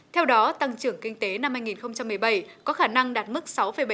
theo đó tăng trưởng kinh tế năm hai nghìn một mươi bảy có khả năng đạt mức sáu bảy